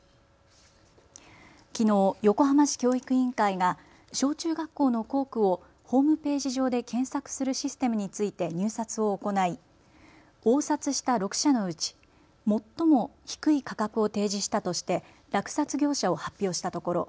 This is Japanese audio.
きのう横浜市教育委員会が小中学校の校区をホームページ上で検索するシステムについて入札を行い応札した６社のうち、最も低い価格を提示したとして落札業者を発表したところ